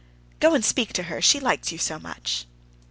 "Go and speak to her, she likes you so much."